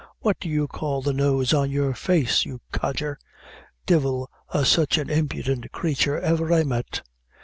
What do you call the nose on your face, my codger? Divil a sich an impident crature ever I met."